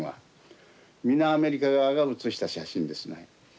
皆アメリカ側が写した写真ですね。